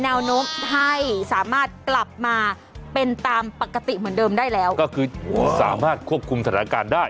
แนวโน้มให้สามารถกลับมาเป็นตามปกติเหมือนเดิมได้แล้วก็คือสามารถควบคุมสถานการณ์ได้